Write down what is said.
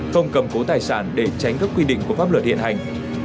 không cầm cố tài sản để tránh các quy định của pháp luật hiện hành